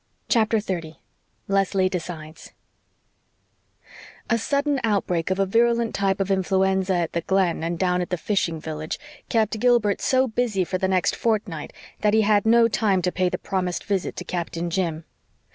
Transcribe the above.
CHAPTER 30 LESLIE DECIDES A sudden outbreak of a virulent type of influenza at the Glen and down at the fishing village kept Gilbert so busy for the next fortnight that he had no time to pay the promised visit to Captain Jim.